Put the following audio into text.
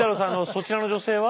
そちらの女性は？